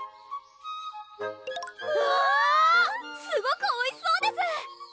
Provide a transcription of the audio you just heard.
わぁすごくおいしそうです！